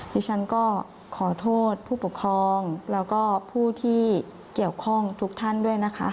ดิฉันก็ขอโทษผู้ปกครองแล้วก็ผู้ที่เกี่ยวข้องทุกท่านด้วยนะคะ